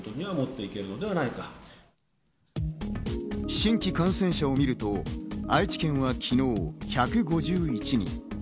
新規感染者を見ると愛知県は昨日１５１人。